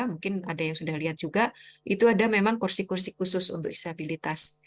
mungkin ada yang sudah lihat juga itu ada memang kursi kursi khusus untuk disabilitas